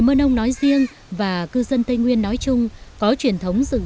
một tình yêu ruột thịt